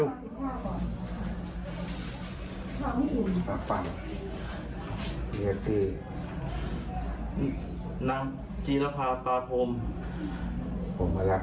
คนหนือึดชุดขอบคุณไปที่ช่องคิง๖๒บาท